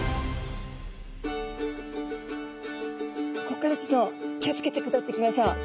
ここからちょっと気を付けて下っていきましょう。